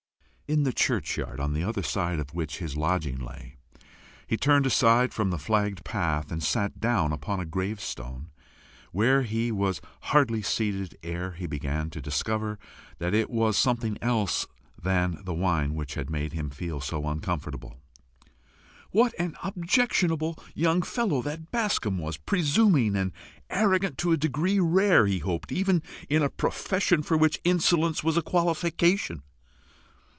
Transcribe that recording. In the churchyard, on the other side of which his lodging lay, he turned aside from the flagged path and sat down upon a gravestone, where he was hardly seated ere he began to discover that it was something else than the wine which had made him feel so uncomfortable. What an objectionable young fellow that Bascombe was! presuming and arrogant to a degree rare, he hoped, even in a profession for which insolence was a qualification.